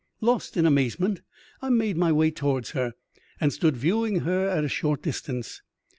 Lost in amazement I made my way towards her, and stood viewing her at a short distance.